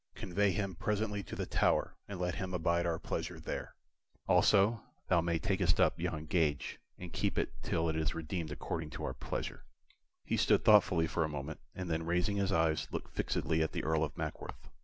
Convey him presently to the Tower, and let him abide our pleasure there. Also, thou mayst take up yon gage, and keep it till it is redeemed according to our pleasure." He stood thoughtfully for a moment, and then raising his eyes, looked fixedly at the Earl of Mackworth.